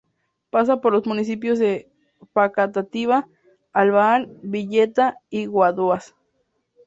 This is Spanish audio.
Pasa por los municipios de Facatativá, Albán, Villeta y Guaduas.